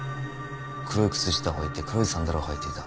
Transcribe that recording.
黒い靴下をはいて黒いサンダルを履いていた。